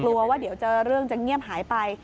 กลัวว่าเดี๋ยวเรื่องจะเงียบหายไป